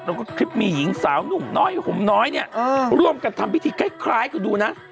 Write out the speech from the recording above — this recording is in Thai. แล้วก็คลิปมีหญิงสาวหนุ่มน้อยห่มน้อยเนี่ยร่วมกันทำพิธีคล้ายคุณดูนะ